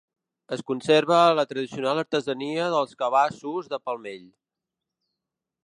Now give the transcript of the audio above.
Es conserva la tradicional artesania dels cabassos de palmell.